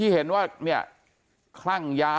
เห็นว่าเนี่ยคลั่งยา